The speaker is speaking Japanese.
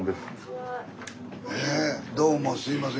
どうもすいません。